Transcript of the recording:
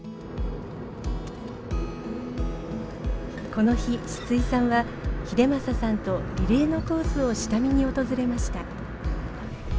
この日シツイさんは英政さんとリレーのコースを下見に訪れました。